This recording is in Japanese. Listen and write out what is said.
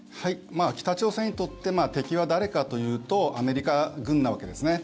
北朝鮮にとって敵は誰かというとアメリカ軍なわけですね。